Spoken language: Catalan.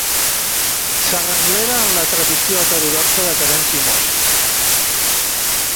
S'arrenglera en la tradició heterodoxa de Terenci Moix.